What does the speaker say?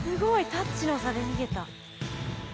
タッチの差で逃げた。